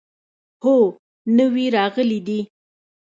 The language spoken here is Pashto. هو، نوي راغلي دي